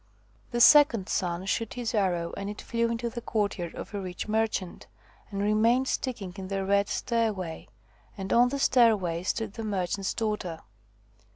The second son shot his arrow, and it flew into the courtyard of a rich merchant, and remained sticking in the red stairway, and on the stairway stood the merchant's daughter.